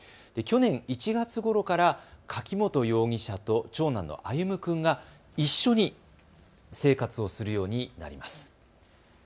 去年１月ごろから柿本容疑者と長男の歩夢君が一緒に生活をするようになります。